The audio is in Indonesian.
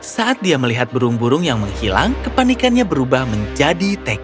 saat dia melihat burung burung yang menghilang kepanikannya berubah menjadi teknik